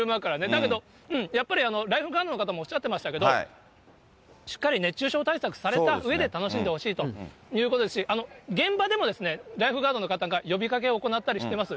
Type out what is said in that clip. だけど、やっぱりライフガードの方もおっしゃってましたけど、しっかり熱中症対策されたうえで楽しんでほしいということですし、現場でもライフガードの方が呼びかけを行ったりしてます。